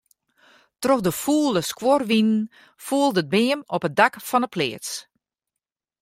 Troch de fûle skuorwinen foel de beam op it dak fan 'e pleats.